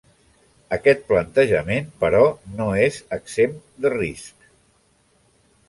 Aquest plantejament, però, no és exempt de riscs.